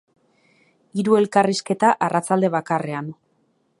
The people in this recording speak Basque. Hiru elkarrizketa, arratsalde bakarrean.